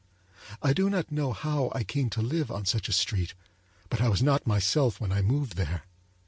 I do not know how I came to live on such a street, but I was not myself when I moved there.